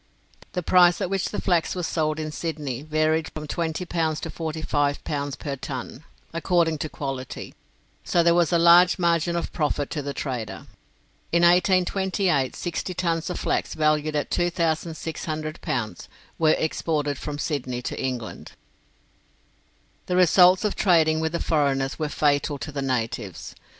The price at which the flax was sold in Sydney varied from 20 pounds to 45 pounds per ton, according to quality, so there was a large margin of profit to the trader. In 1828 sixty tons of flax valued at 2,600 pounds, were exported from Sydney to England. The results of trading with the foreigners were fatal to the natives.